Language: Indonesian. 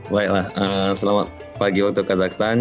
baiklah selamat pagi waktu kazakhstan